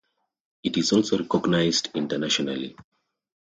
It is also recognised internationally.